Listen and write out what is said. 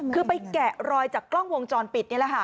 ซึ่งไปแกะรอยจากกล้องวงจรปิดเนี่ยค่ะ